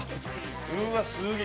うわっすげえ！